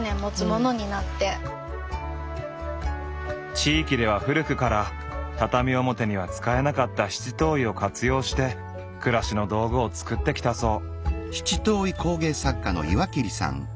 地域では古くから畳表には使えなかった七島藺を活用して暮らしの道具を作ってきたそう。